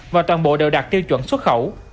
và toàn bộ đều đạt tiêu chuẩn xuất khẩu